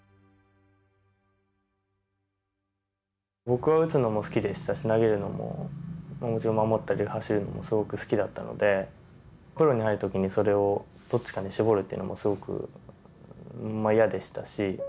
僕は打つのも好きでしたし投げるのももちろん守ったり走るのもすごく好きだったのでプロに入る時にそれをどっちかに絞るというのもすごく嫌でしたし。